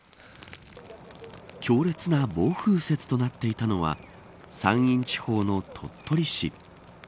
強烈な暴風雪となっていたのは山陰地方の鳥取市。